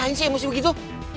ngapain sih emosi begitu